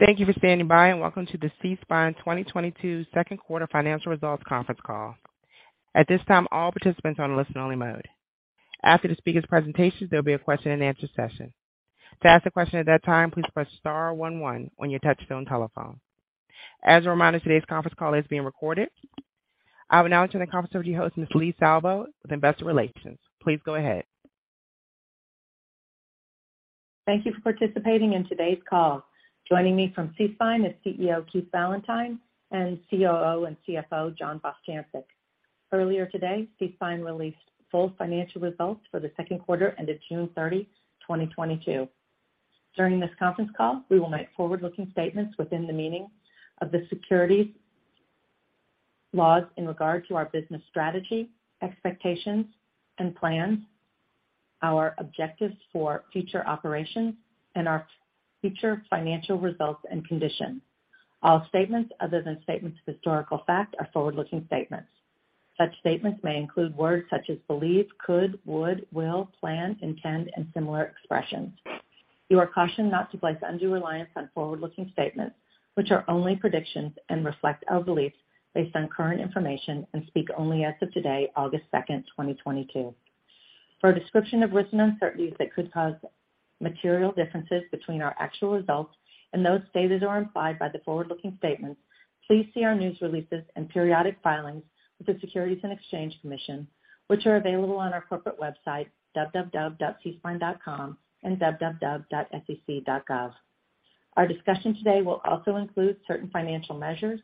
Thank you for standing by, and welcome to the SeaSpine 2022 second quarter financial results conference call. At this time, all participants are on listen only mode. After the speaker's presentation, there'll be a question-and-answer session. To ask a question at that time, please press Star one one on your touchtone telephone. As a reminder, today's conference call is being recorded. I will now turn the conference over to your host, Ms. Leigh Salvo, with investor relations. Please go ahead. Thank you for participating in today's call. Joining me from SeaSpine is CEO Keith Valentine and COO and CFO John Bostjancic. Earlier today, SeaSpine released full financial results for the second quarter ended June 30, 2022. During this conference call, we will make forward-looking statements within the meaning of the securities laws in regard to our business strategy, expectations and plans, our objectives for future operations and our future financial results and condition. All statements other than statements of historical fact are forward-looking statements. Such statements may include words such as believe, could, would, will, plan, intend, and similar expressions. You are cautioned not to place undue reliance on forward-looking statements which are only predictions and reflect our beliefs based on current information and speak only as of today, August 2, 2022. For a description of risks and uncertainties that could cause material differences between our actual results and those stated or implied by the forward-looking statements, please see our news releases and periodic filings with the Securities and Exchange Commission, which are available on our corporate website www.seaspine.com and www.sec.gov. Our discussion today will also include certain financial measures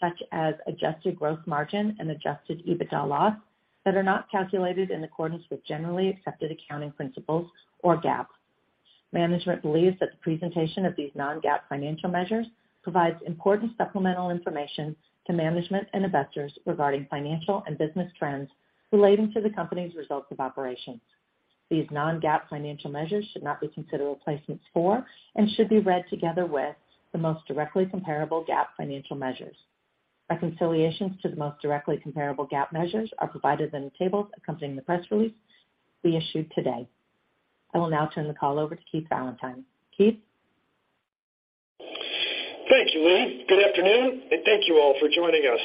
such as adjusted gross margin and adjusted EBITDA loss that are not calculated in accordance with generally accepted accounting principles or GAAP. Management believes that the presentation of these non-GAAP financial measures provides important supplemental information to management and investors regarding financial and business trends relating to the company's results of operations. These non-GAAP financial measures should not be considered replacements for and should be read together with the most directly comparable GAAP financial measures. Reconciliations to the most directly comparable GAAP measures are provided in the tables accompanying the press release we issued today. I will now turn the call over to Keith Valentine. Keith. Thank you, Leigh. Good afternoon and thank you all for joining us.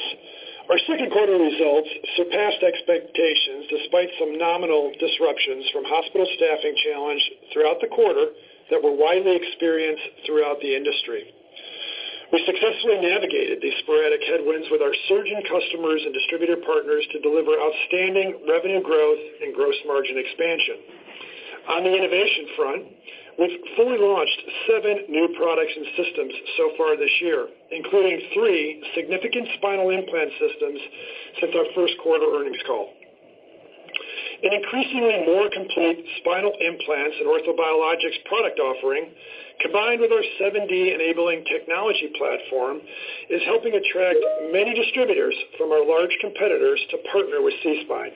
Our second quarter results surpassed expectations despite some nominal disruptions from hospital staffing challenges throughout the quarter that were widely experienced throughout the industry. We successfully navigated these sporadic headwinds with our surgeon customers and distributor partners to deliver outstanding revenue growth and gross margin expansion. On the innovation front, we've fully launched seven new products and systems so far this year, including three significant spinal implant systems since our first quarter earnings call. An increasingly more complete spinal implants and orthobiologics product offering, combined with our 7D enabling technology platform, is helping attract many distributors from our large competitors to partner with SeaSpine,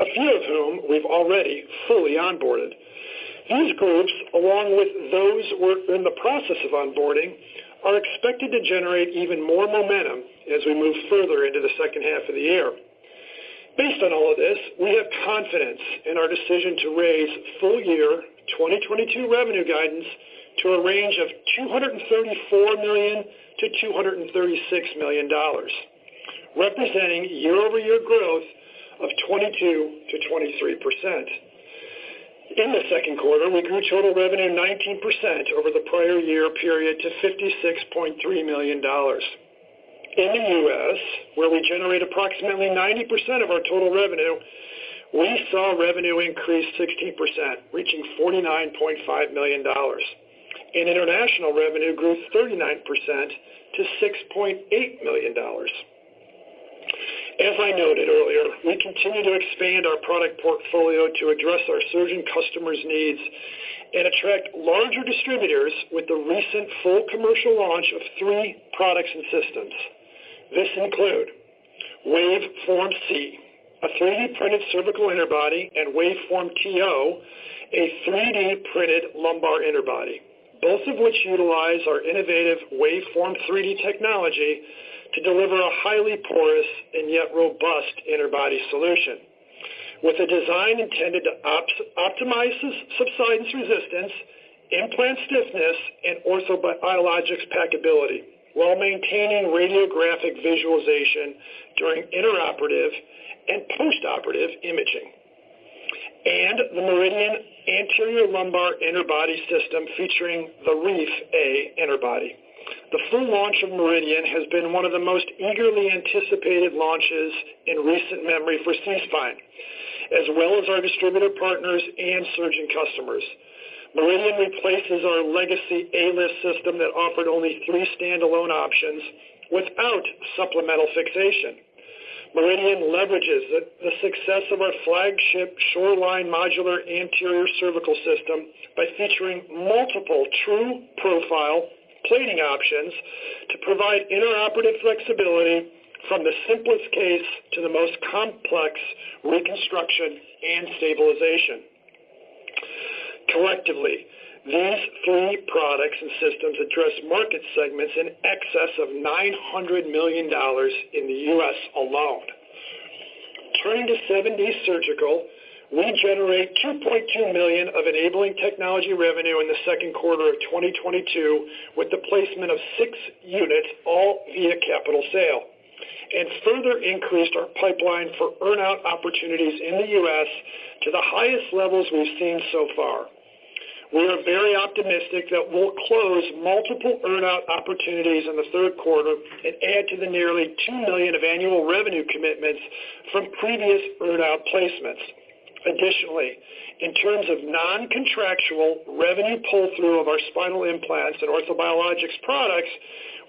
a few of whom we've already fully onboarded. These groups, along with those we're in the process of onboarding, are expected to generate even more momentum as we move further into the second half of the year. Based on all of this, we have confidence in our decision to raise full-year 2022 revenue guidance to a range of $234 million-$236 million, representing year-over-year growth of 22%-23%. In the second quarter, we grew total revenue 19% over the prior year period to $56.3 million. In the US, where we generate approximately 90% of our total revenue, we saw revenue increase 16%, reaching $49.5 million. International revenue grew 39% to $6.8 million. As I noted earlier, we continue to expand our product portfolio to address our surgeon customers' needs and attract larger distributors with the recent full commercial launch of three products and systems. This include WaveForm C, a 3D-printed cervical interbody, and WaveForm TO, a 3D-printed lumbar interbody, both of which utilize our innovative WaveForm 3D technology to deliver a highly porous and yet robust interbody solution with a design intended to optimize subsidence resistance, implant stiffness, and orthobiologics packability while maintaining radiographic visualization during intraoperative and postoperative imaging. The Meridian anterior lumbar interbody system featuring the Reef A interbody. The full launch of Meridian has been one of the most eagerly anticipated launches in recent memory for SeaSpine, as well as our distributor partners and surgeon customers. Meridian replaces our legacy ALIF system that offered only three standalone options without supplemental fixation. Meridian leverages the success of our flagship Shoreline modular anterior cervical system by featuring multiple true profile plating options to provide intraoperative flexibility from the simplest case to the most complex reconstruction and stabilization. Collectively, these three products and systems address market segments in excess of $900 million in the US alone. Turning to 7D Surgical, we generate $2.2 million of enabling technology revenue in the second quarter of 2022 with the placement of six units all via capital sale, and further increased our pipeline for earn-out opportunities in the US to the highest levels we've seen so far. We are very optimistic that we'll close multiple earn-out opportunities in the third quarter and add to the nearly $2 million of annual revenue commitments from previous earn-out placements. Additionally, in terms of non-contractual revenue pull-through of our spinal implants and orthobiologics products,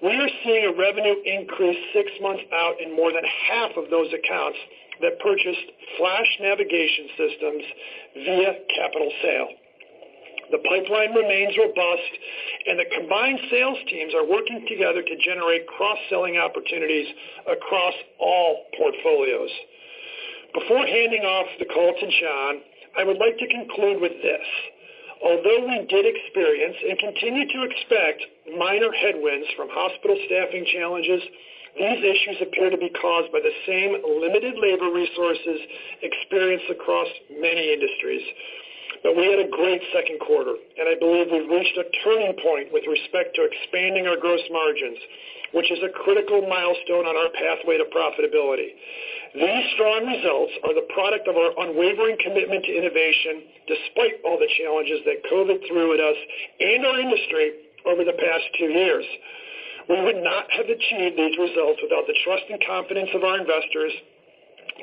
we are seeing a revenue increase six months out in more than half of those accounts that purchased FLASH navigation systems via capital sale. The pipeline remains robust and the combined sales teams are working together to generate cross-selling opportunities across all portfolios. Before handing off the call to John, I would like to conclude with this. Although we did experience and continue to expect minor headwinds from hospital staffing challenges, these issues appear to be caused by the same limited labor resources experienced across many industries. We had a great second quarter, and I believe we've reached a turning point with respect to expanding our gross margins, which is a critical milestone on our pathway to profitability. These strong results are the product of our unwavering commitment to innovation despite all the challenges that COVID threw at us and our industry over the past two years. We would not have achieved these results without the trust and confidence of our investors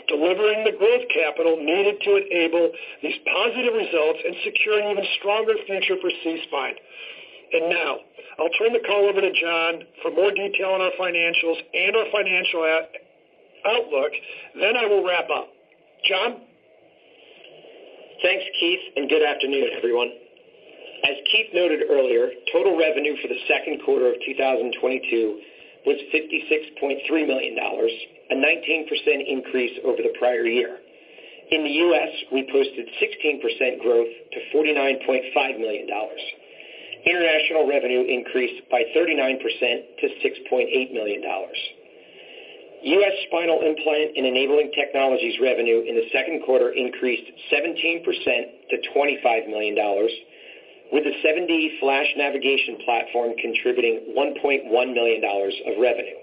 delivering the growth capital needed to enable these positive results and securing even stronger future for SeaSpine. Now I'll turn the call over to John for more detail on our financials and our financial outlook. I will wrap up. John? Thanks, Keith, and good afternoon, everyone. As Keith noted earlier, total revenue for the second quarter of 2022 was $56.3 million, a 19% increase over the prior year. In the U.S., we posted 16% growth to $49.5 million. International revenue increased by 39% to $6.8 million. U.S. spinal implant and enabling technologies revenue in the second quarter increased 17% to $25 million, with the 7D FLASH navigation platform contributing $1.1 million of revenue.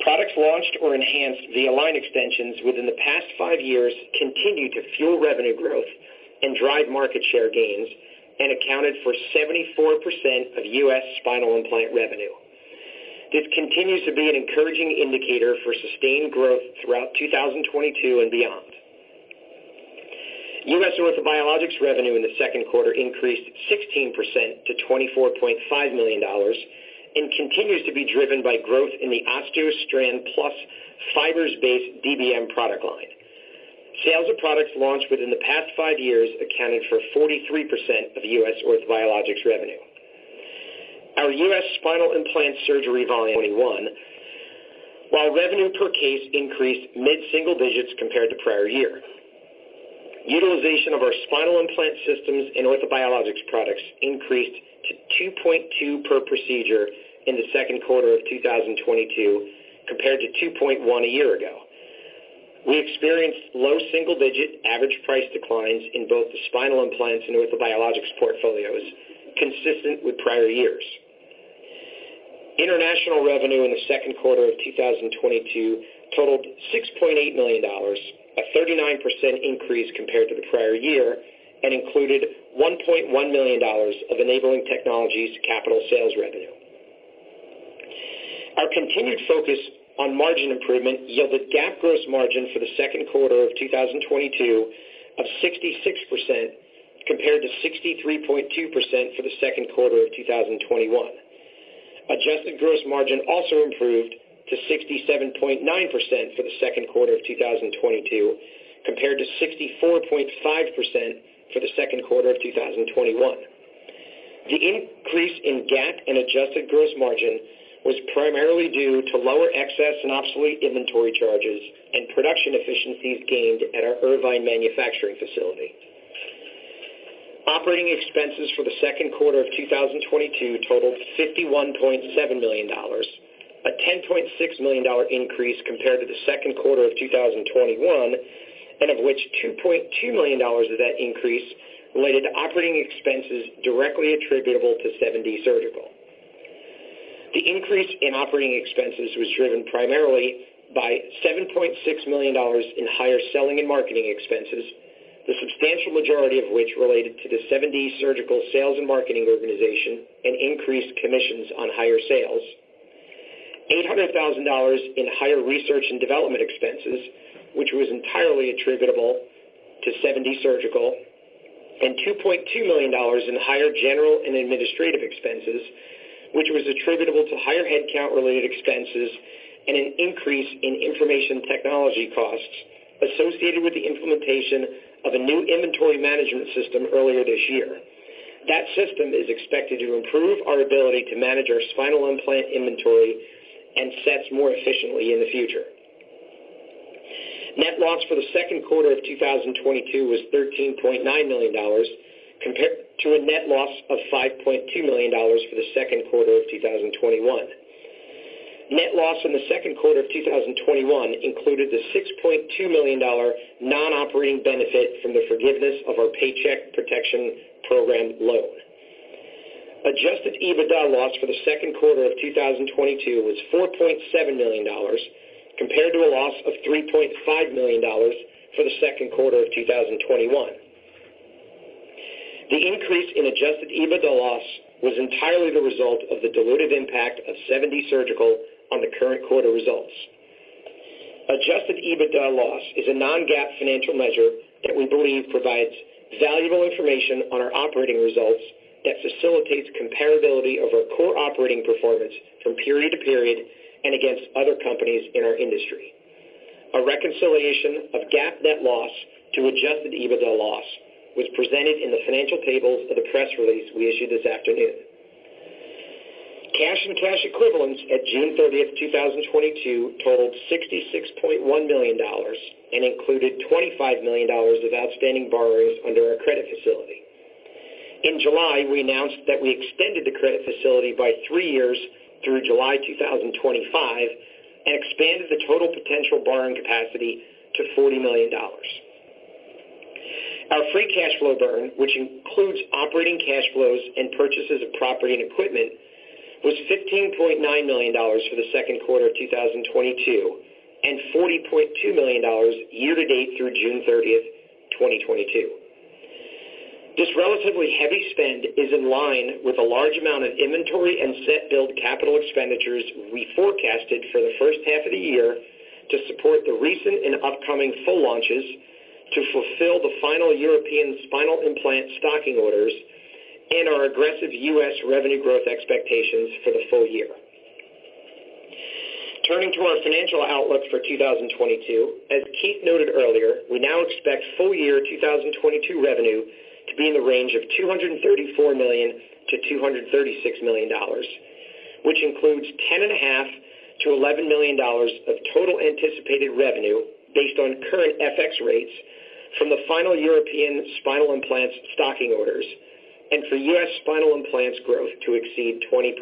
Products launched or enhanced via line extensions within the past 5 years continued to fuel revenue growth and drive market share gains and accounted for 74% of U.S. spinal implant revenue. This continues to be an encouraging indicator for sustained growth throughout 2022 and beyond. US orthobiologics revenue in the second quarter increased 16% to $24.5 million and continues to be driven by growth in the OsteoStrand Plus fibers-based DBM product line. Sales of products launched within the past five years accounted for 43% of US orthobiologics revenue. Our US spinal implant surgery volume 21%, while revenue per case increased mid-single digits compared to prior year. Utilization of our spinal implant systems and orthobiologics products increased to 2.2 per procedure in the second quarter of 2022 compared to 2.1 a year ago. We experienced low single-digit average price declines in both the spinal implants and orthobiologics portfolios, consistent with prior years. International revenue in the second quarter of 2022 totaled $6.8 million, a 39% increase compared to the prior year, and included $1.1 million of enabling technologies capital sales revenue. Our continued focus on margin improvement yielded GAAP gross margin for the second quarter of 2022 of 66% compared to 63.2% for the second quarter of 2021. Adjusted gross margin also improved to 67.9% for the second quarter of 2022 compared to 64.5% for the second quarter of 2021. The increase in GAAP and adjusted gross margin was primarily due to lower excess and obsolete inventory charges and production efficiencies gained at our Irvine manufacturing facility. Operating expenses for the second quarter of 2022 totaled $51.7 million, a $10.6 million increase compared to the second quarter of 2021, and of which $2.2 million of that increase related to operating expenses directly attributable to 7D Surgical. The increase in operating expenses was driven primarily by $7.6 million in higher selling and marketing expenses, the substantial majority of which related to the 7D Surgical sales and marketing organization and increased commissions on higher sales. $800,000 in higher research and development expenses, which was entirely attributable to 7D Surgical, and $2.2 million in higher general and administrative expenses, which was attributable to higher headcount related expenses and an increase in information technology costs associated with the implementation of a new inventory management system earlier this year. That system is expected to improve our ability to manage our spinal implant inventory and sets more efficiently in the future. Net loss for the second quarter of 2022 was $13.9 million compared to a net loss of $5.2 million for the second quarter of 2021. Net loss in the second quarter of 2021 included the $6.2 million non-operating benefit from the forgiveness of our Paycheck Protection Program loan. Adjusted EBITDA loss for the second quarter of 2022 was $4.7 million compared to a loss of $3.5 million for the second quarter of 2021. The increase in adjusted EBITDA loss was entirely the result of the dilutive impact of 7D Surgical on the current quarter results. Adjusted EBITDA loss is a non-GAAP financial measure that we believe provides valuable information on our operating results that facilitates comparability of our core operating performance from period to period and against other companies in our industry. A reconciliation of GAAP net loss to adjusted EBITDA loss was presented in the financial tables of the press release we issued this afternoon. Cash and cash equivalents at June 30, 2022 totaled $66.1 million and included $25 million of outstanding borrowings under our credit facility. InJuly, we announced that we extended the credit facility by three years through July 2025 and expanded the total potential borrowing capacity to $40 million. Our free cash flow burn, which includes operating cash flows and purchases of property and equipment, was $15.9 million for the second quarter of 2022 and $40.2 million year-to-date through June 30, 2022. This relatively heavy spend is in line with a large amount of inventory and set build capital expenditures we forecasted for the first half of the year to support the recent and upcoming full launches to fulfill the final European spinal implant stocking orders and our aggressive U.S. revenue growth expectations for the full year. Turning to our financial outlook for 2022, as Keith noted earlier, we now expect full year 2022 revenue to be in the range of $234 million-$236 million, which includes $10.5 million-$11 million of total anticipated revenue based on current FX rates from the final European spinal implants stocking orders and for U.S. spinal implants growth to exceed 20%.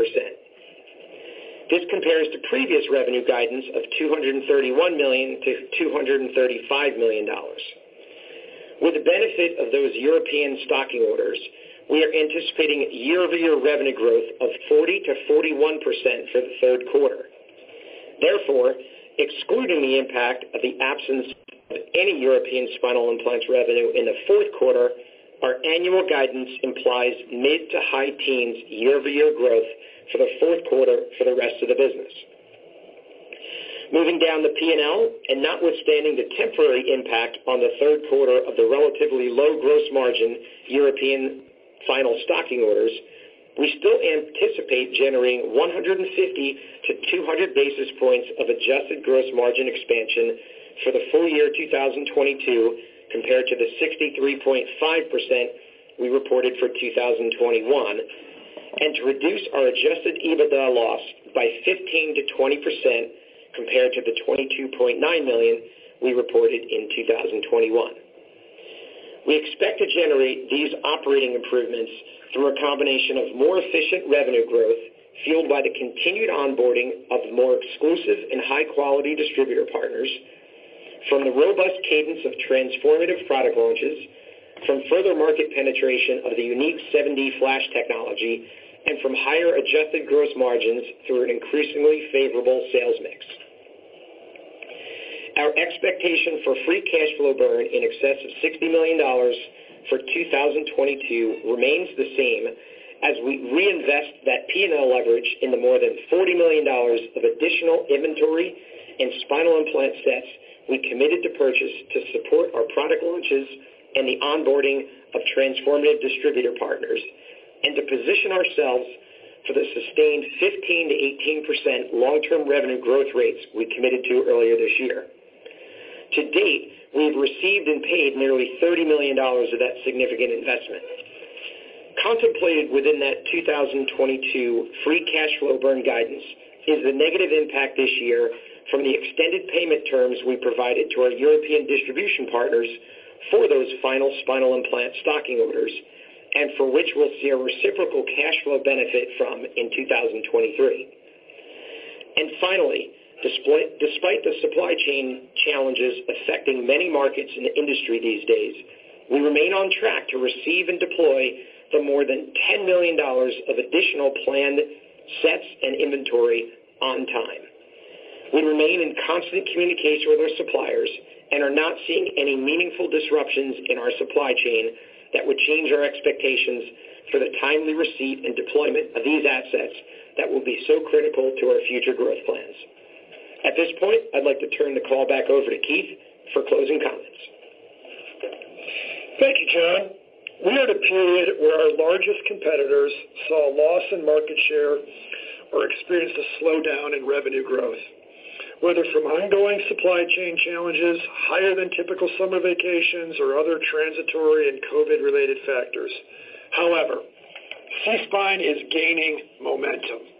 This compares to previous revenue guidance of $231 million-$235 million. With the benefit of those European stocking orders, we are anticipating year-over-year revenue growth of 40%-41% for the third quarter. Therefore, excluding the impact of the absence of any European spinal implants revenue in the fourth quarter, our annual guidance implies mid- to high-teens year-over-year growth for the fourth quarter for the rest of the business. Moving down the P&L and notwithstanding the temporary impact on the third quarter of the relatively low gross margin European final stocking orders, we still anticipate generating 150-200 basis points of adjusted gross margin expansion for the full year 2022 compared to the 63.5% we reported for 2021, and to reduce our adjusted EBITDA loss by 15%-20% compared to the $22.9 million we reported in 2021. We expect to generate these operating improvements through a combination of more efficient revenue growth fueled by the continued onboarding of more exclusive and high-quality distributor partners from the robust cadence of transformative product launches, from further market penetration of the unique 7D FLASH technology, and from higher adjusted gross margins through an increasingly favorable sales mix. Our expectation for free cash flow burn in excess of $60 million for 2022 remains the same as we reinvest that P&L leverage in the more than $40 million of additional inventory and spinal implant sets we committed to purchase to support our product launches and the onboarding of transformative distributor partners and to position ourselves for the sustained 15%-18% long-term revenue growth rates we committed to earlier this year. To date, we've received and paid nearly $30 million of that significant investment. Contemplated within that 2022 free cash flow burn guidance is the negative impact this year from the extended payment terms we provided to our European distribution partners for those final spinal implant stocking orders, and for which we'll see a reciprocal cash flow benefit from in 2023. Finally, despite the supply chain challenges affecting many markets in the industry these days, we remain on track to receive and deploy the more than $10 million of additional planned sets and inventory on time. We remain in constant communication with our suppliers and are not seeing any meaningful disruptions in our supply chain that would change our expectations for the timely receipt and deployment of these assets that will be so critical to our future growth plans. At this point, I'd like to turn the call back over to Keith for closing comments. Thank you, John. We are at a period where our largest competitors saw a loss in market share or experienced a slowdown in revenue growth, whether from ongoing supply chain challenges, higher than typical summer vacations or other transitory and COVID-related factors. However, SeaSpine is gaining momentum.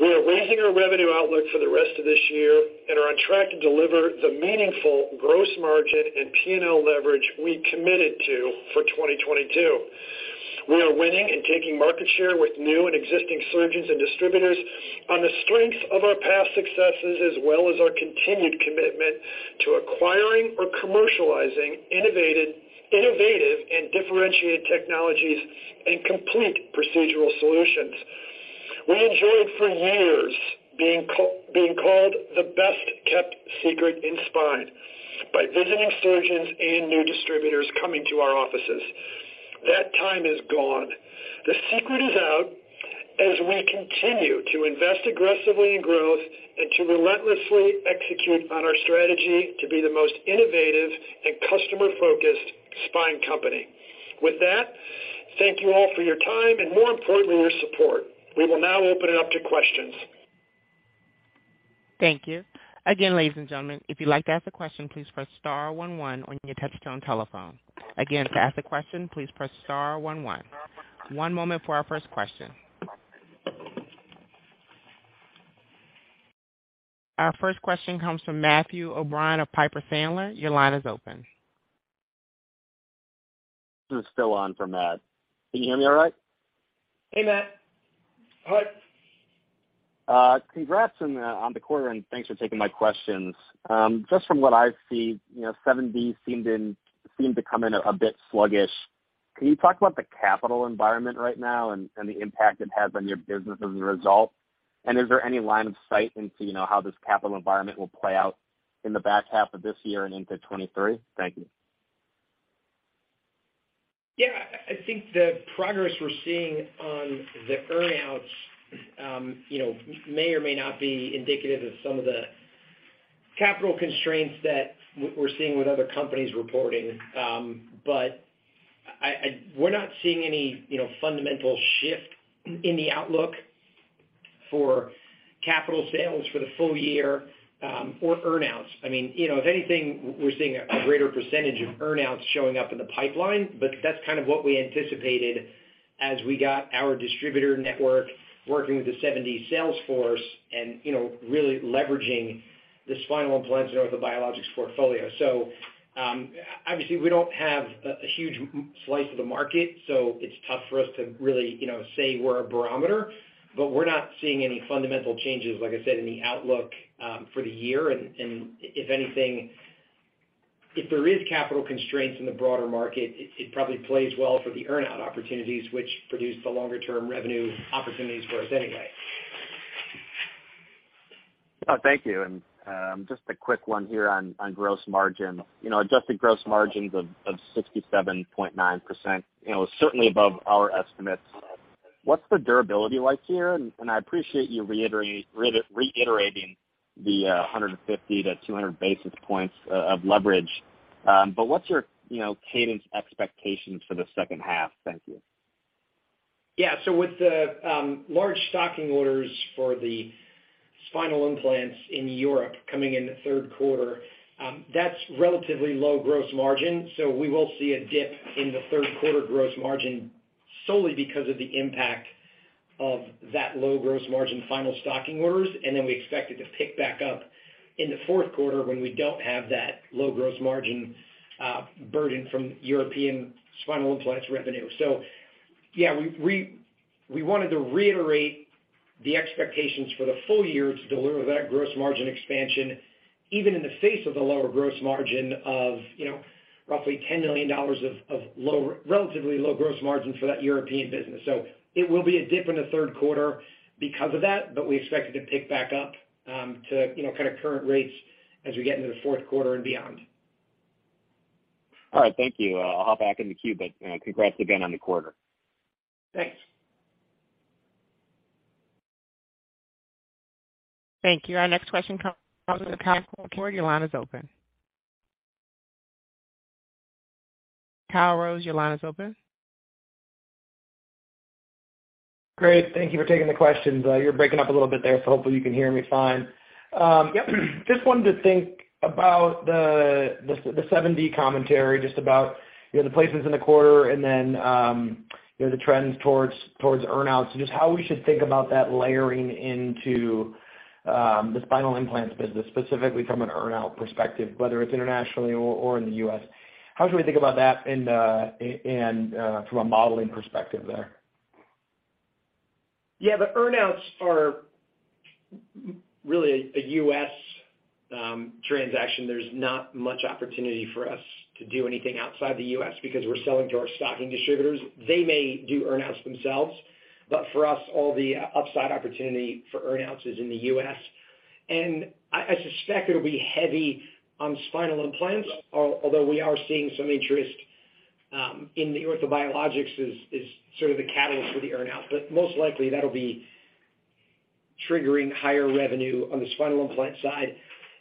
We are raising our revenue outlook for the rest of this year and are on track to deliver the meaningful gross margin and P&L leverage we committed to for 2022. We are winning and taking market share with new and existing surgeons and distributors on the strength of our past successes, as well as our continued commitment to acquiring or commercializing innovative and differentiated technologies and complete procedural solutions. We enjoyed for years being called the best-kept secret in spine by visiting surgeons and new distributors coming to our offices. That time is gone. The secret is out as we continue to invest aggressively in growth and to relentlessly execute on our strategy to be the most innovative and customer-focused spine company. With that, thank you all for your time and more importantly, your support. We will now open it up to questions. Thank you. Again, ladies and gentlemen, if you'd like to ask a question, please press star one one on your touchtone telephone. Again, to ask a question, please press star one one. One moment for our first question. Our first question comes from Matthew O'Brien of Piper Sandler. Your line is open. This is still on for Matt. Can you hear me all right? Hey, Matt. How are you? Congrats on the quarter, and thanks for taking my questions. Just from what I see, you know, 7D seemed to come in a bit sluggish. Can you talk about the capital environment right now and the impact it has on your business as a result? Is there any line of sight into, you know, how this capital environment will play out in the back half of this year and into 2023? Thank you. Yeah. I think the progress we're seeing on the earn-outs, you know, may or may not be indicative of some of the capital constraints that we're seeing with other companies reporting. We're not seeing any, you know, fundamental shift in the outlook for capital sales for the full year, or earn-outs. I mean, you know, if anything, we're seeing a greater percentage of earn-outs showing up in the pipeline, but that's kind of what we anticipated as we got our distributor network working with the 7D sales force and, you know, really leveraging the spinal implants and orthobiologics portfolio. Obviously, we don't have a huge slice of the market, so it's tough for us to really, you know, say we're a barometer, but we're not seeing any fundamental changes, like I said, in the outlook, for the year. If anything, there is capital constraints in the broader market, it probably plays well for the earn-out opportunities which produce the longer term revenue opportunities for us anyway. Thank you. Just a quick one here on gross margin. You know, adjusted gross margins of 67.9%, you know, certainly above our estimates. What's the durability like here? I appreciate you reiterating the 150-200 basis points of leverage. But what's your, you know, cadence expectations for the second half? Thank you. Yeah. With the large stocking orders for the spinal implants in Europe coming in the third quarter, that's relatively low gross margin. We will see a dip in the third quarter gross margin solely because of the impact of that low gross margin final stocking orders. Then we expect it to pick back up in the fourth quarter when we don't have that low gross margin burden from European spinal implants revenue. Yeah, we wanted to reiterate the expectations for the full year to deliver that gross margin expansion, even in the face of the lower gross margin of, you know, roughly $10 million of relatively low gross margin for that European business. It will be a dip in the third quarter because of that, but we expect it to pick back up, to, you know, kind of current rates as we get into the fourth quarter and beyond. All right. Thank you. I'll hop back in the queue, but, congrats again on the quarter. Thanks. Thank you. Our next question comes from Kyle Rose at Cowen. Your line is open. Kyle Rose, your line is open. Great. Thank you for taking the questions. You're breaking up a little bit there, so hopefully you can hear me fine. Just wanted to think about the 7D commentary, just about, you know, the placements in the quarter and then, you know, the trends towards earn-outs and just how we should think about that layering into the spinal implants business, specifically from an earn-out perspective, whether it's internationally or in the U.S. How should we think about that from a modeling perspective there? Yeah. The earn-outs are really a U.S. transaction. There's not much opportunity for us to do anything outside the U.S. because we're selling to our stocking distributors. They may do earn-outs themselves, but for us, all the upside opportunity for earn-out is in the U.S. I suspect it'll be heavy on spinal implants, although we are seeing some interest in the orthobiologics is sort of the catalyst for the earn-out. Most likely that'll be triggering higher revenue on the spinal implant side.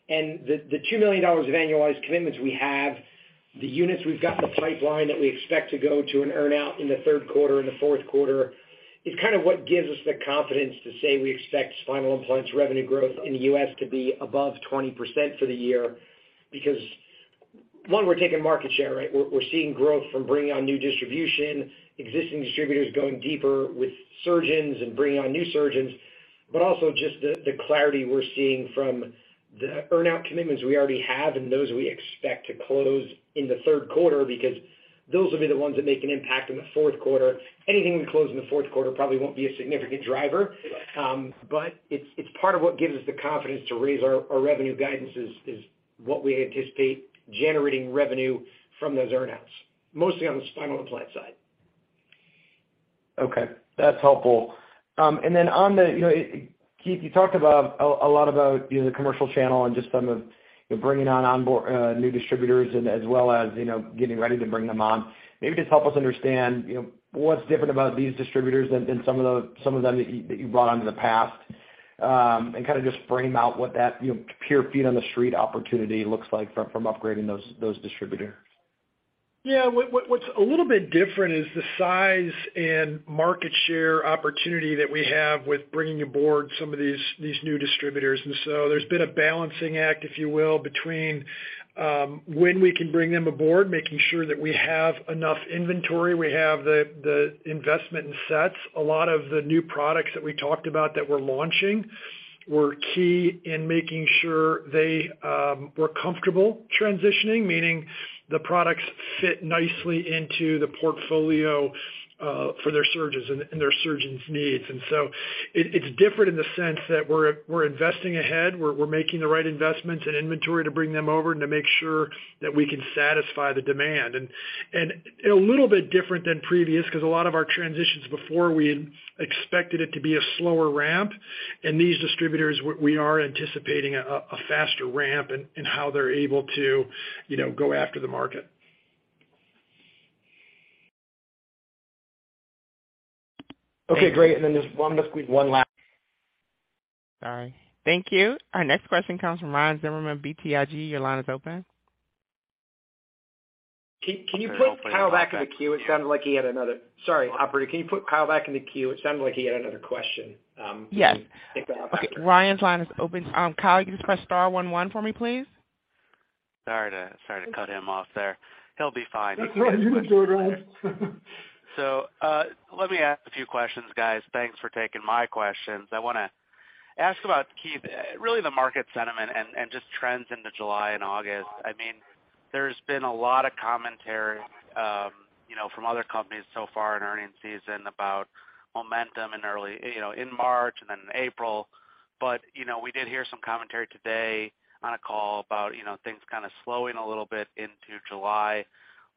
The $2 million of annualized commitments we have, the units we've got in the pipeline that we expect to go to an earn-out in the third quarter, in the fourth quarter is kind of what gives us the confidence to say we expect spinal implants revenue growth in the U.S. to be above 20% for the year. Because one, we're taking market share, right? We're seeing growth from bringing on new distribution, existing distributors going deeper with surgeons and bringing on new surgeons. Also just the clarity we're seeing from the earn-out commitments we already have and those we expect to close in the third quarter because those will be the ones that make an impact in the fourth quarter. Anything we close in the fourth quarter probably won't be a significant driver. It's part of what gives us the confidence to raise our revenue guidance is what we anticipate generating revenue from those earn-outs, mostly on the spinal implant side. Okay, that's helpful. You know, Keith, you talked about a lot about, you know, the commercial channel and just some of, you know, bringing on onboard new distributors and as well as, you know, getting ready to bring them on. Maybe just help us understand, you know, what's different about these distributors than some of them that you've brought on in the past, and kind of just frame out what that, you know, pure feet on the street opportunity looks like from upgrading those distributors. Yeah. What's a little bit different is the size and market share opportunity that we have with bringing aboard some of these new distributors. There's been a balancing act, if you will, between when we can bring them aboard, making sure that we have enough inventory, we have the investment in sets. A lot of the new products that we talked about that we're launching were key in making sure they were comfortable transitioning, meaning the products fit nicely into the portfolio, for their surgeons and their surgeons' needs. It's different in the sense that we're investing ahead. We're making the right investments and inventory to bring them over and to make sure that we can satisfy the demand. A little bit different than previous because a lot of our transitions before we had expected it to be a slower ramp. These distributors, we are anticipating a faster ramp in how they're able to, you know, go after the market. Okay, great. I'm gonna squeeze one last. Sorry. Thank you. Our next question comes from Ryan Zimmerman, BTIG. Your line is open. Can you put Kyle back in the queue? It sounded like he had another. Sorry, operator, can you put Kyle back in the queue? It sounded like he had another question. Can you Yes. Okay. Ryan's line is open. Kyle, can you just press Star one one for me, please? Sorry to cut him off there. He'll be fine. That's all right. You enjoyed Ryan. Let me ask a few questions, guys. Thanks for taking my questions. I wanna ask about, Keith, really the market sentiment and just trends into July and August. I mean, there's been a lot of commentary, you know, from other companies so far in earnings season about momentum in early, you know, in March and then April. You know, we did hear some commentary today on a call about, you know, things kind of slowing a little bit into July.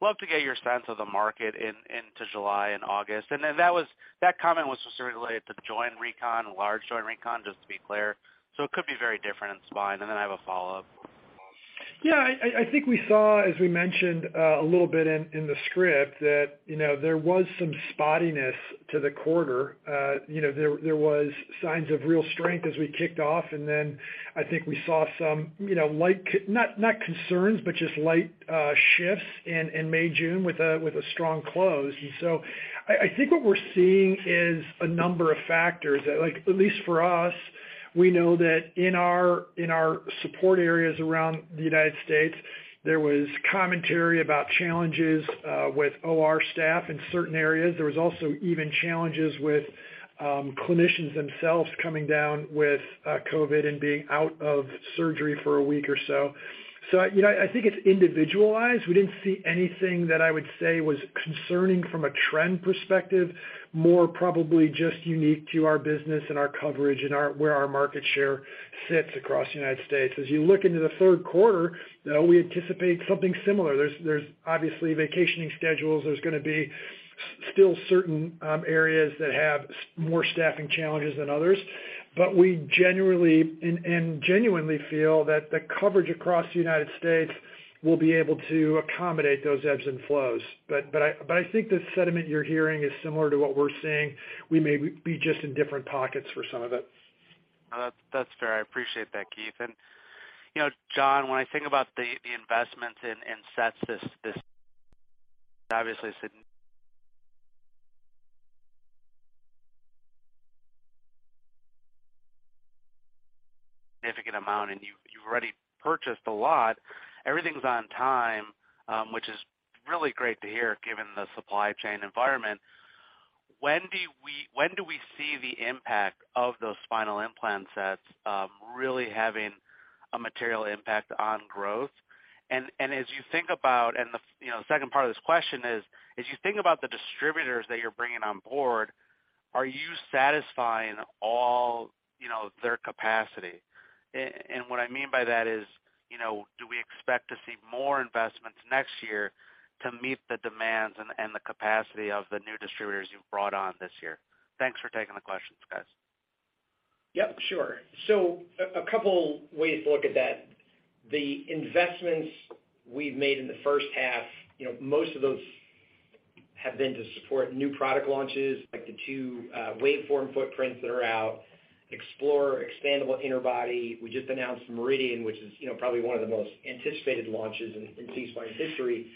Love to get your sense of the market into July and August. That comment was just related to joint recon, large joint recon, just to be clear. It could be very different in spine. I have a follow-up. Yeah. I think we saw, as we mentioned, a little bit in the script, that, you know, there was some spottiness to the quarter. You know, there was signs of real strength as we kicked off, and then I think we saw some, you know, not concerns, but just light shifts in May, June with a strong close. I think what we're seeing is a number of factors that like, at least for us, we know that in our support areas around the United States, there was commentary about challenges with OR staff in certain areas. There was also even challenges with clinicians themselves coming down with COVID and being out of surgery for a week or so. You know, I think it's individualized. We didn't see anything that I would say was concerning from a trend perspective, more probably just unique to our business and our coverage and our where our market share sits across the United States. As you look into the third quarter, you know, we anticipate something similar. There's obviously vacationing schedules. There's gonna be still certain areas that have more staffing challenges than others. We generally and genuinely feel that the coverage across the United States will be able to accommodate those ebbs and flows. I think the sentiment you're hearing is similar to what we're seeing. We may be just in different pockets for some of it. That's fair. I appreciate that, Keith. You know, John, when I think about the investments in sets, this obviously significant amount, and you've already purchased a lot. Everything's on time, which is really great to hear given the supply chain environment. When do we see the impact of those spinal implant sets really having a material impact on growth? And as you think about the second part of this question, as you think about the distributors that you're bringing on board, are you satisfying all their capacity? And what I mean by that is, you know, do we expect to see more investments next year to meet the demands and the capacity of the new distributors you've brought on this year? Thanks for taking the questions, guys. Yep, sure. A couple ways to look at that. The investments we've made in the first half, you know, most of those have been to support new product launches, like the two WaveForm footprints that are out, Explorer TO Expandable Interbody. We just announced Meridian, which is, you know, probably one of the most anticipated launches in SeaSpine history.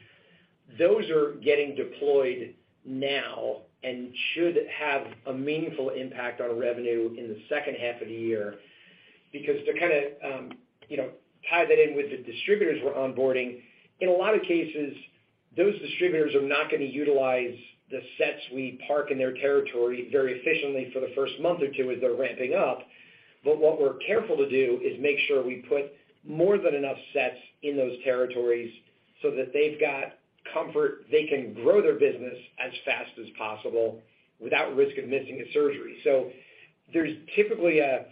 Those are getting deployed now and should have a meaningful impact on revenue in the second half of the year. Because to kind of, you know, tie that in with the distributors we're onboarding, in a lot of cases, those distributors are not gonna utilize the sets we park in their territory very efficiently for the first month or two as they're ramping up. What we're careful to do is make sure we put more than enough sets in those territories so that they've got comfort, they can grow their business as fast as possible without risk of missing a surgery. There's typically a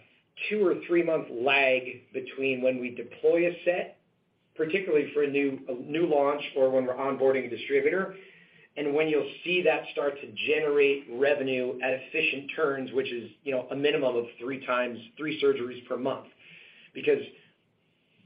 two- or three-month lag between when we deploy a set, particularly for a new launch or when we're onboarding a distributor, and when you'll see that start to generate revenue at efficient turns, which is, you know, a minimum of three surgeries per month. Because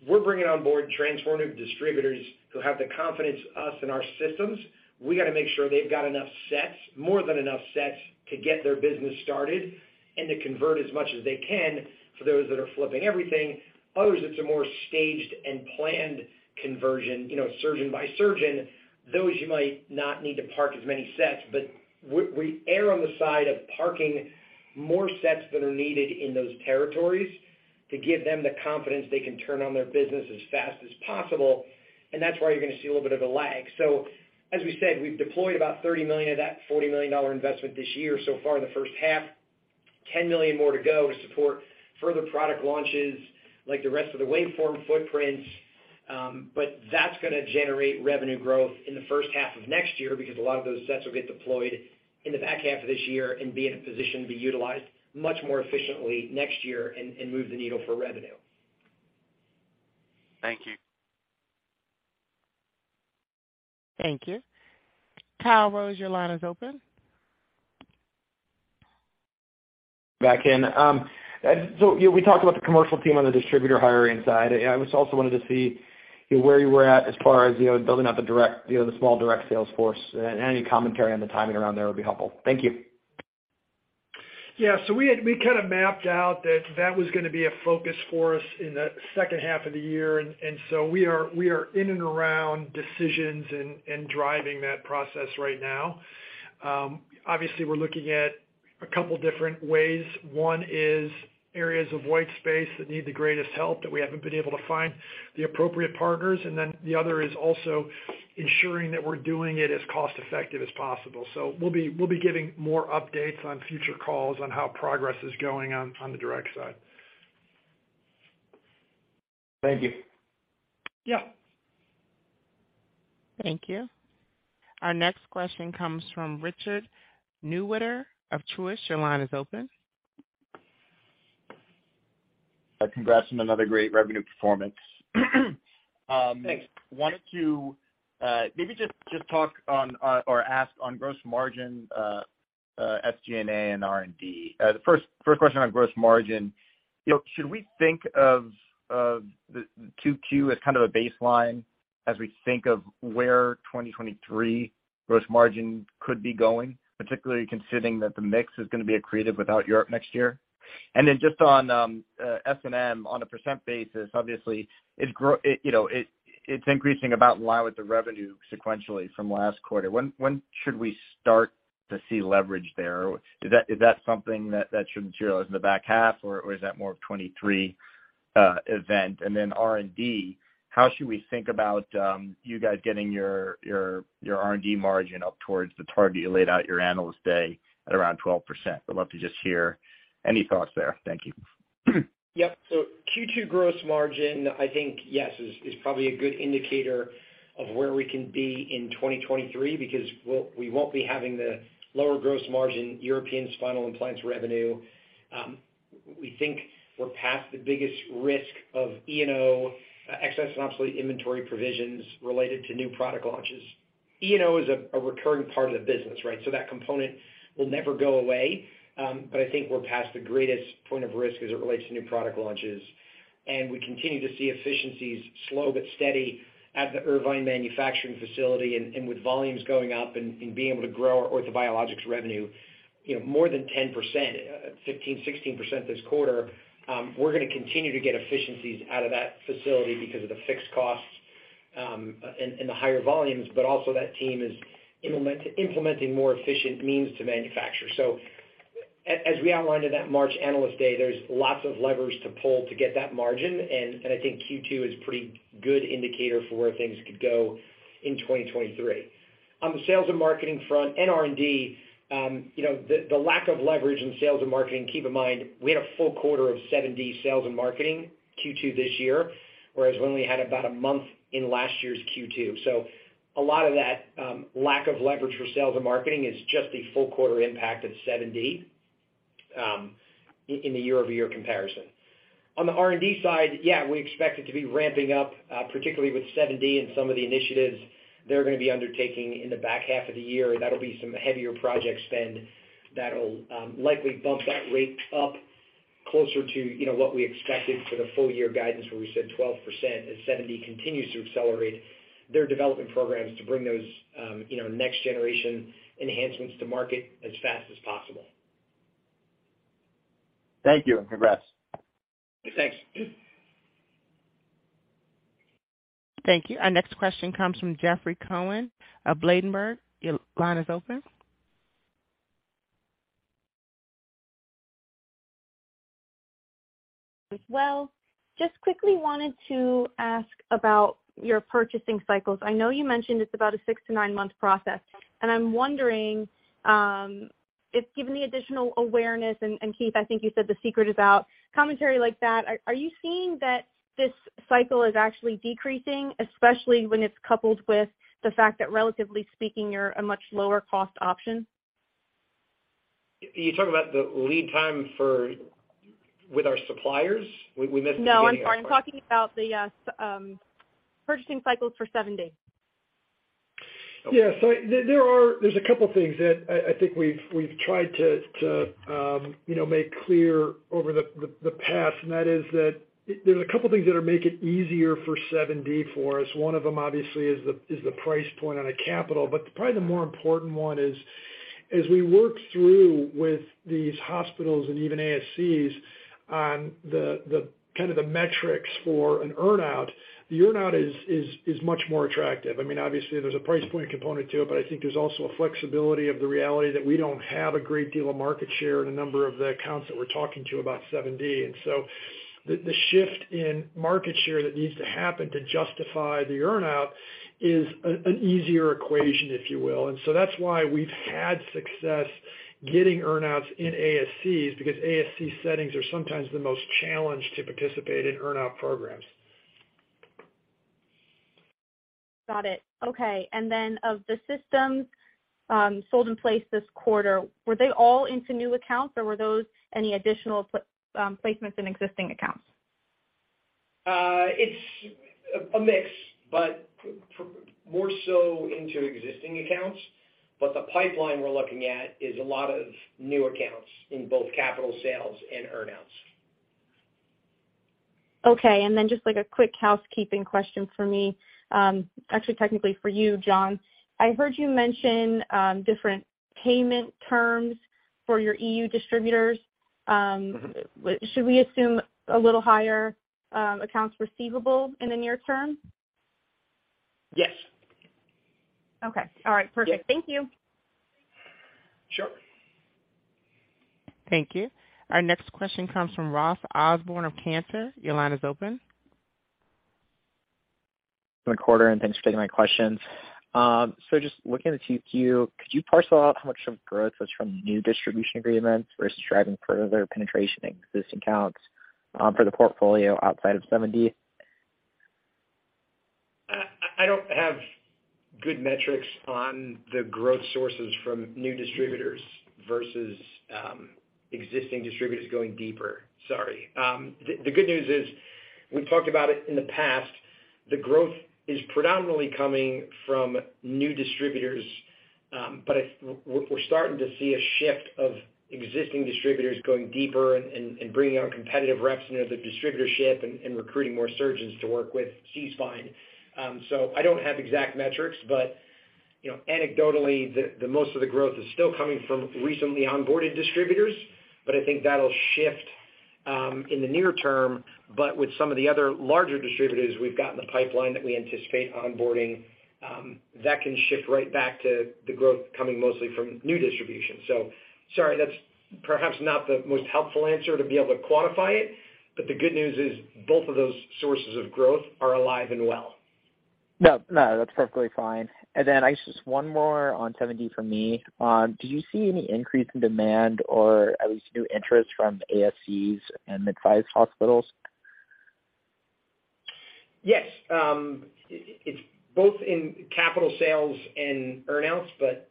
we're bringing on board transformative distributors who have confidence in our systems, we gotta make sure they've got enough sets, more than enough sets to get their business started and to convert as much as they can for those that are flipping everything. Others, it's a more staged and planned conversion, you know, surgeon by surgeon. Those you might not need to park as many sets, but we err on the side of parking more sets than are needed in those territories to give them the confidence they can turn on their business as fast as possible, and that's why you're gonna see a little bit of a lag. As we said, we've deployed about $30 million of that $40 million investment this year so far in the first half, $10 million more to go to support further product launches like the rest of the WaveForm footprints. But that's gonna generate revenue growth in the first half of next year because a lot of those sets will get deployed in the back half of this year and be in a position to be utilized much more efficiently next year and move the needle for revenue. Thank you. Thank you. Kyle Rose, your line is open. Back in. You know, we talked about the commercial team on the distributor hiring side. I just also wanted to see, you know, where you were at as far as, you know, building out the direct, you know, the small direct sales force, any commentary on the timing around there would be helpful. Thank you. Yeah. We kind of mapped out that that was gonna be a focus for us in the second half of the year. We are in and around decisions and driving that process right now. Obviously we're looking at a couple different ways. One is areas of white space that need the greatest help that we haven't been able to find the appropriate partners, and then the other is also ensuring that we're doing it as cost effective as possible. We'll be giving more updates on future calls on how progress is going on the direct side. Thank you. Yeah. Thank you. Our next question comes from Richard Newitter of Truist. Your line is open. Congrats on another great revenue performance. Thanks. Wanted to maybe just ask on gross margin, SG&A and R&D. The first question on gross margin. You know, should we think of Q2 as kind of a baseline as we think of where 2023 gross margin could be going, particularly considering that the mix is gonna be accretive without Europe next year? Then just on S&M on a percent basis, obviously it's, you know, increasing about in line with the revenue sequentially from last quarter. When should we start to see leverage there? Is that something that should materialize in the back half or is that more of 2023 event? R&D, how should we think about you guys getting your R&D margin up towards the target you laid out your analyst day at around 12%? I'd love to just hear any thoughts there. Thank you. Yep. Q2 gross margin I think, yes, is probably a good indicator of where we can be in 2023 because we won't be having the lower gross margin European spinal implants revenue. We think we're past the biggest risk of E&O, excess and obsolete inventory provisions related to new product launches. E&O is a recurring part of the business, right? That component will never go away. But I think we're past the greatest point of risk as it relates to new product launches. We continue to see efficiencies slow but steady at the Irvine manufacturing facility and with volumes going up and being able to grow our orthobiologics revenue, you know, more than 10%, 15%, 16% this quarter. We're gonna continue to get efficiencies out of that facility because of the fixed costs and the higher volumes, but also that team is implementing more efficient means to manufacture. As we outlined in that March analyst day, there's lots of levers to pull to get that margin and I think Q2 is pretty good indicator for where things could go in 2023. On the sales and marketing front and R&D, you know, the lack of leverage in sales and marketing, keep in mind, we had a full quarter of 7D sales and marketing Q2 this year, whereas we only had about a month in last year's Q2. A lot of that lack of leverage for sales and marketing is just the full quarter impact of 7D in the year-over-year comparison. On the R&D side, we expect it to be ramping up, particularly with 7D and some of the initiatives they're gonna be undertaking in the back half of the year. That'll be some heavier project spend that'll likely bump that rate up closer to, you know, what we expected for the full year guidance where we said 12% as 7D continues to accelerate their development programs to bring those, you know, next generation enhancements to market as fast as possible. Thank you, and congrats. Thanks. Thank you. Our next question comes from Jeffrey Cohen of Ladenburg. Your line is open. Well, just quickly wanted to ask about your purchasing cycles. I know you mentioned it's about a 6-9-month process, and I'm wondering if given the additional awareness, and Keith, I think you said the secret is out commentary like that. Are you seeing that this cycle is actually decreasing, especially when it's coupled with the fact that, relatively speaking, you're a much lower cost option? You talk about the lead time for with our suppliers? We missed the beginning. No, I'm sorry. I'm talking about the purchasing cycles for 7D. Okay. Yeah. There are a couple of things that I think we've tried to, you know, make clear over the past, and that is that there are a couple things that'll make it easier for 7D for us. One of them, obviously, is the price point on capital, but probably the more important one is as we work through with these hospitals and even ASCs on the kind of metrics for an earn-out. The earn-out is much more attractive. I mean, obviously there's a price point component to it, but I think there's also a flexibility of the reality that we don't have a great deal of market share in a number of the accounts that we're talking to about 7D. The shift in market share that needs to happen to justify the earn-out is an easier equation, if you will. That's why we've had success getting earn-outs in ASCs because ASC settings are sometimes the most challenged to participate in earn-out programs. Got it. Okay. Then of the systems sold in place this quarter, were they all into new accounts or were those any additional placements in existing accounts? It's a mix, but more so into existing accounts. The pipeline we're looking at is a lot of new accounts in both capital sales and earn-outs. Okay. Just like a quick housekeeping question for me, actually, technically for you, John. I heard you mention different payment terms for your EU distributors. Should we assume a little higher accounts receivable in the near term? Yes. Okay. All right. Perfect. Yeah. Thank you. Sure. Thank you. Our next question comes from Ross Osborn of Cantor. Your line is open. Good quarter, and thanks for taking my questions. Just looking at the 2Q, could you parcel out how much of growth was from new distribution agreements versus driving further penetration in existing accounts, for the portfolio outside of 7D? I don't have good metrics on the growth sources from new distributors versus existing distributors going deeper. Sorry. The good news is, we've talked about it in the past, the growth is predominantly coming from new distributors, but we're starting to see a shift of existing distributors going deeper and bringing our competitive reps into the distributorship and recruiting more surgeons to work with SeaSpine. I don't have exact metrics, but you know, anecdotally, the most of the growth is still coming from recently onboarded distributors. I think that'll shift in the near term. With some of the other larger distributors we've got in the pipeline that we anticipate onboarding, that can shift right back to the growth coming mostly from new distribution. Sorry, that's perhaps not the most helpful answer to be able to quantify it, but the good news is both of those sources of growth are alive and well. No, no, that's perfectly fine. I just one more on 7D for me. Do you see any increase in demand or at least new interest from ASCs and mid-size hospitals? Yes. It's both in capital sales and earn-outs, but.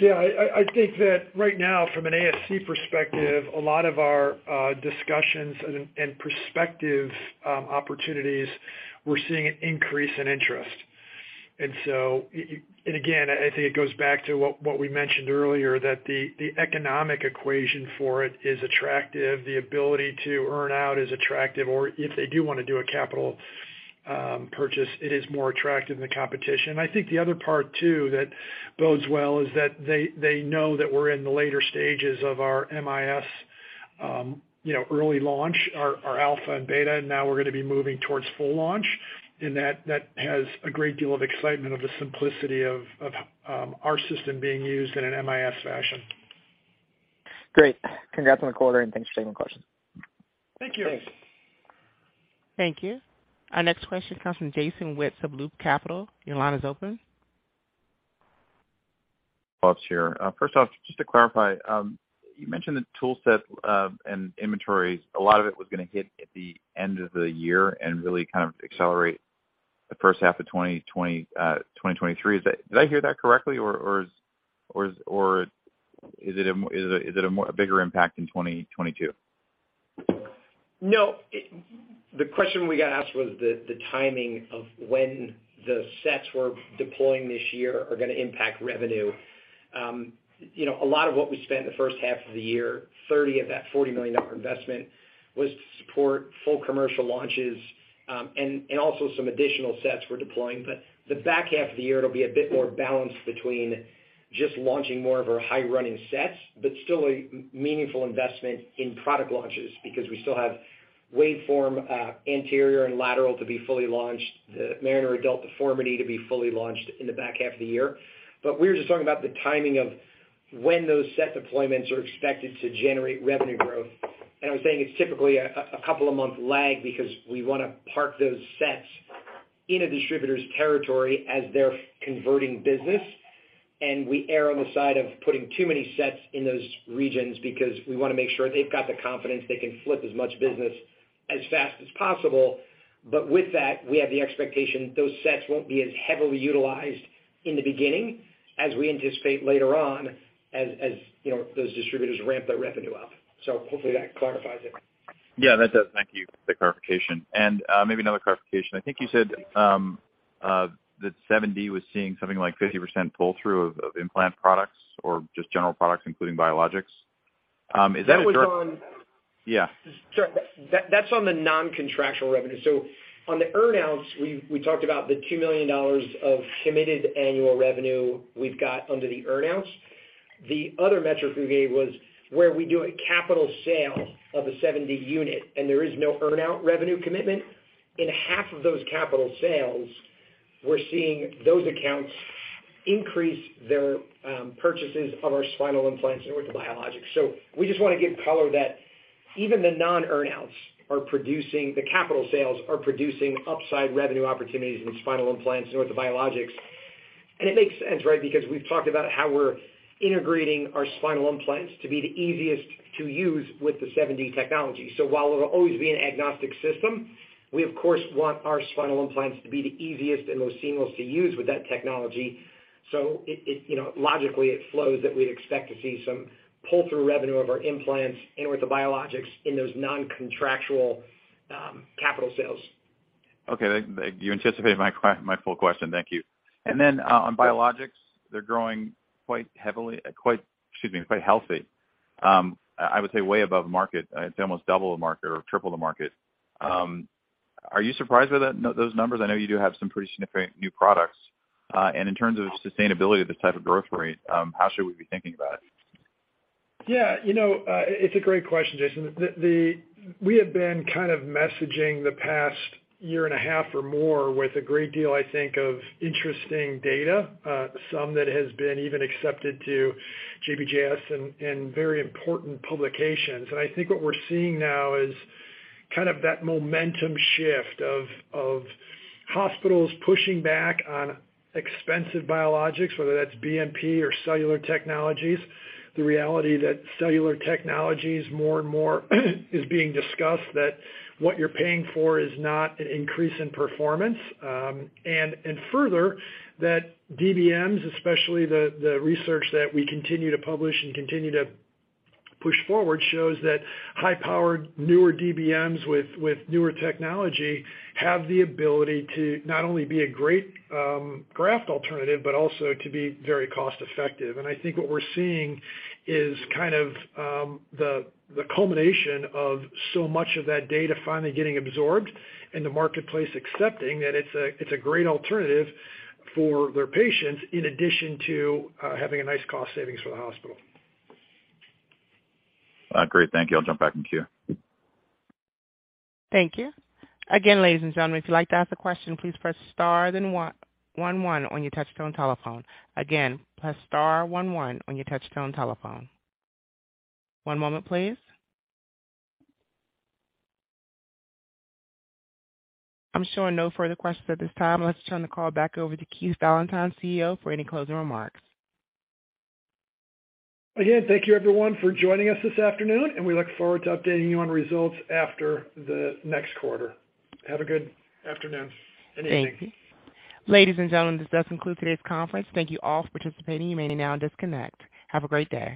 Yeah. I think that right now from an ASC perspective, a lot of our discussions and perspective opportunities, we're seeing an increase in interest. I think it goes back to what we mentioned earlier, that the economic equation for it is attractive, the ability to earn out is attractive, or if they do wanna do a capital purchase, it is more attractive than the competition. I think the other part too that bodes well is that they know that we're in the later stages of our MIS early launch, our alpha and beta, and now we're gonna be moving towards full launch. That has a great deal of excitement of the simplicity of our system being used in an MIS fashion. Great. Congrats on the quarter, and thanks for taking the question. Thank you. Thanks. Thank you. Our next question comes from Jason Wittes of Loop Capital. Your line is open. Witt here. First off, just to clarify, you mentioned the tool set and inventories. A lot of it was gonna hit at the end of the year and really kind of accelerate the first half of 2023. Is that correct? Did I hear that correctly or is it a bigger impact in 2022? No. The question we got asked was the timing of when the sets we're deploying this year are gonna impact revenue. You know, a lot of what we spent in the first half of the year, 30 of that $40 million investment was to support full commercial launches, and also some additional sets we're deploying. The back half of the year, it'll be a bit more balanced between just launching more of our high running sets, but still a meaningful investment in product launches because we still have WaveForm anterior and lateral to be fully launched. The Mariner adult deformity to be fully launched in the back half of the year. We were just talking about the timing of when those set deployments are expected to generate revenue growth. I was saying it's typically a couple of month lag because we wanna park those sets in a distributor's territory as they're converting business. We err on the side of putting too many sets in those regions because we wanna make sure they've got the confidence they can flip as much business as fast as possible. With that, we have the expectation those sets won't be as heavily utilized in the beginning as we anticipate later on as you know, those distributors ramp their revenue up. Hopefully that clarifies it. Yeah, that does. Thank you for the clarification. Maybe another clarification. I think you said that 7D was seeing something like 50% pull-through of implant products or just general products, including biologics. Is that- That was on- Yeah. Sure. That's on the non-contractual revenue. On the earn-outs, we talked about the $2 million of committed annual revenue we've got under the earn-outs. The other metric we gave was where we do a capital sale of a 7D unit, and there is no earn-out revenue commitment. In half of those capital sales, we're seeing those accounts increase their purchases of our spinal implants and orthobiologics. We just wanna give color that even the non-earn-outs are producing. The capital sales are producing upside revenue opportunities in spinal implants and orthobiologics. It makes sense, right? We've talked about how we're integrating our spinal implants to be the easiest to use with the 7D technology. While it'll always be an agnostic system, we of course want our spinal implants to be the easiest and most seamless to use with that technology. It, you know, logically, it flows that we'd expect to see some pull-through revenue of our implants and orthobiologics in those non-contractual capital sales. Okay. Thank you. You anticipated my full question. Thank you. On biologics, they're growing quite healthy. I would say way above market. It's almost double the market or triple the market. Are you surprised by that, those numbers? I know you do have some pretty significant new products. In terms of sustainability of this type of growth rate, how should we be thinking about it? Yeah. You know, it's a great question, Jason. We have been kind of messaging the past year and a half or more with a great deal, I think, of interesting data, some that has been even accepted to JBJS and very important publications. I think what we're seeing now is kind of that momentum shift of hospitals pushing back on expensive biologics, whether that's BMP or cellular technologies. The reality that cellular technologies more and more is being discussed, that what you're paying for is not an increase in performance. Further, that DBMs, especially the research that we continue to publish and continue to push forward, shows that high-powered newer DBMs with newer technology have the ability to not only be a great graft alternative, but also to be very cost-effective. I think what we're seeing is kind of the culmination of so much of that data finally getting absorbed and the marketplace accepting that it's a great alternative for their patients, in addition to having a nice cost savings for the hospital. Great. Thank you. I'll jump back in queue. Thank you. Again, ladies and gentlemen, if you'd like to ask a question, please press Star then one one on your touchtone telephone. Again, press Star one one on your touchtone telephone. One moment, please. I'm showing no further questions at this time. Let's turn the call back over to Keith Valentine, CEO, for any closing remarks. Again, thank you everyone for joining us this afternoon, and we look forward to updating you on results after the next quarter. Have a good afternoon and evening. Thank you. Ladies and gentlemen, this does conclude today's conference. Thank you all for participating. You may now disconnect. Have a great day.